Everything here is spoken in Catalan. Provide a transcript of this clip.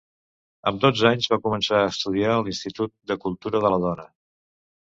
Amb dotze anys va començar a estudiar a l'Institut de Cultura de la Dona.